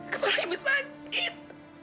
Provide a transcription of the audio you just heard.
kepala ibu sakit